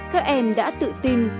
các em đã tự tin